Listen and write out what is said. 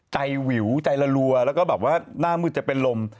วิวใจละรัวแล้วก็แบบว่าหน้ามืดจะเป็นลม